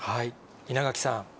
稲垣さん。